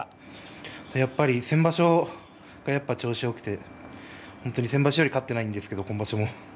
先場所は調子よくて本当に、先場所よりも勝っていないんですけど今場所は。